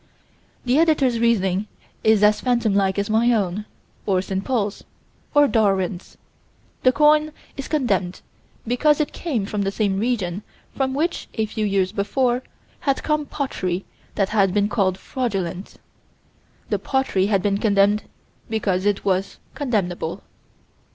The Editor's reasoning is as phantom like as my own, or St. Paul's, or Darwin's. The coin is condemned because it came from the same region from which, a few years before, had come pottery that had been called fraudulent. The pottery had been condemned because it was condemnable.